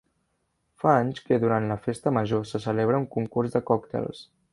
Fa anys que durant la Festa Major se celebra un concurs de còctels.